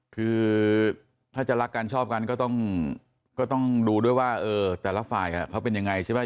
คือถ้าจะรักกันชอบกันก็ต้องดูด้วยว่าแต่ละฝ่ายเขาเป็นยังไงใช่ไหม